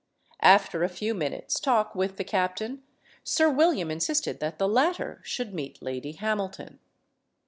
After a few minutes' talk with the captain, Sir William insisted that the latter should meet Lady Hamilton.